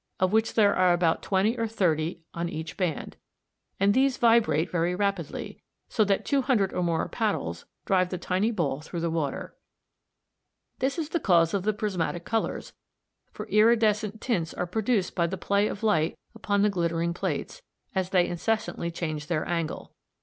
71), of which there are about twenty or thirty on each band; and these vibrate very rapidly, so that two hundred or more paddles drive the tiny ball through the water. This is the cause of the prismatic colours; for iridescent tints are produced by the play of light upon the glittering plates, as they incessantly change their angle.